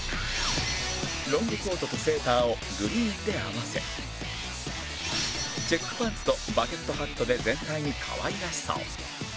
ロングコートとセーターをグリーンで合わせチェックパンツとバケットハットで全体に可愛らしさを